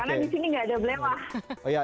karena di sini nggak ada belewah